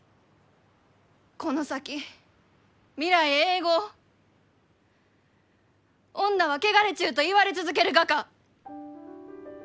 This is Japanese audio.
この先未来永劫「女は汚れちゅう」と言われ続けるがか？